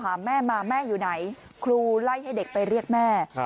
แม่มาแม่อยู่ไหนครูไล่ให้เด็กไปเรียกแม่